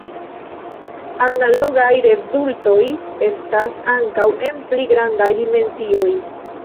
Analogaj rezultoj estas ankaŭ en pli grandaj dimensioj.